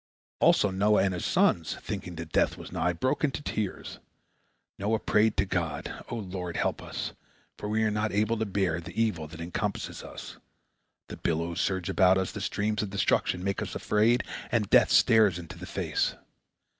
Also Noah and his sons, thinking that death was nigh, broke into tears. Noah prayed to God: "O Lord, help us, for we are not able to bear the evil that encompasses us. The billows surge about us, the streams of destruction make us afraid, and death stares us in the face.